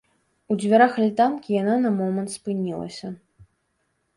У дзвярах альтанкі яна на момант спынілася.